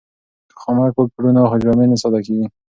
که خامک وکړو نو جامې نه ساده کیږي.